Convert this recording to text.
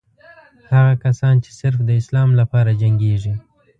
هغه کسان چې صرف د اسلام لپاره جنګېږي.